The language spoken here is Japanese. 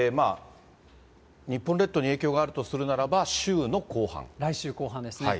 日本列島に影響があるとするならば、来週後半ですね。